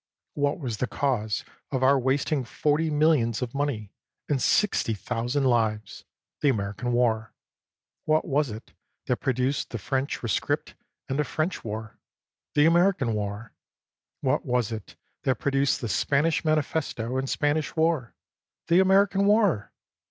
"What was the cause of our wasting forty millions of money, and sixty thousand lives? The American war! What was it that produced the French rescript and a French war ? The American war ! What was it that produced the Spanish manifesto and Spanish war? Tbo American war!